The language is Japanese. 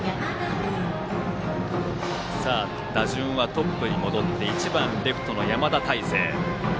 打順はトップに戻って１番、レフトの山田太成。